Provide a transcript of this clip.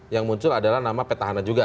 yang muncul adalah nama petahana juga